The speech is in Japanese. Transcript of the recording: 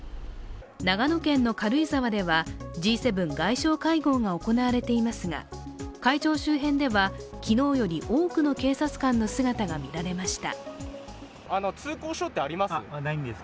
長野県の軽井沢ではＧ７外相会合が行われていますが、会場周辺では、昨日より多くの警察官の姿が見られました。